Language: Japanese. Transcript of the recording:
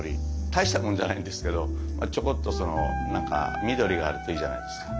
大したものじゃないんですけどちょこっとその何か緑があるといいじゃないですか。